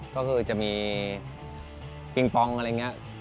ก็คือจะมีปิงปองอะไรอย่างนี้